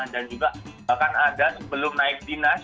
dan juga akan ada sebelum naik dinas